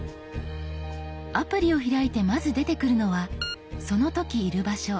アプリを開いてまず出てくるのはその時いる場所